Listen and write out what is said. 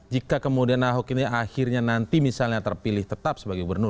jika kemudian ahok ini akhirnya nanti misalnya terpilih tetap sebagai gubernur